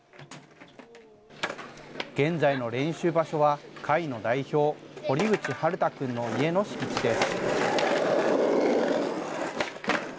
現在の練習場所は会の代表、堀口晴太君の家の敷地です。